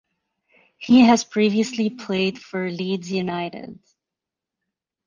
He has previously played for Leeds United.